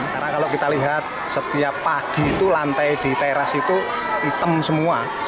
karena kalau kita lihat setiap pagi itu lantai di teras itu hitam semua